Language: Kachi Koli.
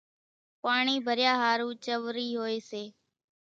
پاڻِي ڀريا ۿارُو چورِي هوئيَ سي۔